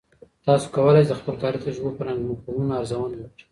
تاسې کولای سئ د خپل کاري تجربو په رڼا کې مفهومونه ارزونه وکړئ.